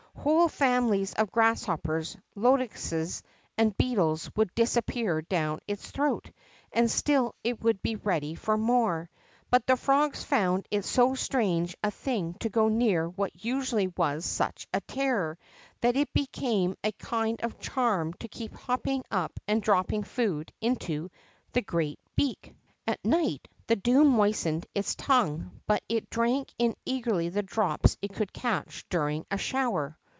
Whole families of grasshoppers, locusts, and beetles would disappear down its throat, and still it would be ready for more. But the frogs found it so strange a thing to go near what usually was such a terror, that it became a kind of charm to keep hopping up and dropping food into the great beak. 46 THE BOCK FROG At night the deAv moistened its tongue, hut it drank in eagerly the drops it could catch during a shoAver.